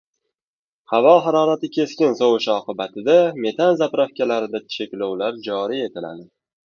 Havo harorati keskin sovishi oqibatida metan zapravkalarda cheklovlar joriy etiladi